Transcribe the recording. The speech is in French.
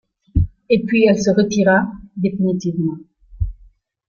Et puis elle se retira définitivement.